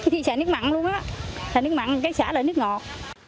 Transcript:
thì chả nước mặn luôn á chả nước mặn cái chả là nước ngọt